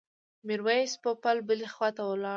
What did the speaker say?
میرویس پوپل بلې خواته ولاړ.